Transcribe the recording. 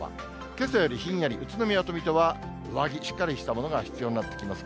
けさよりひんやり、宇都宮と水戸は上着、しっかりしたものが必要になってきます。